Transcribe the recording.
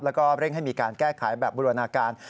แล้วก็เร่งให้มีการแก้ไขแบบบูรณาการ